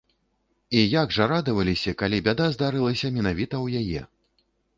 І як жа радаваліся, калі бяда здарылася менавіта ў яе.